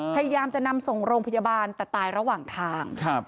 พยายามจะนำส่งโรงพยาบาลแต่ตายระหว่างทาง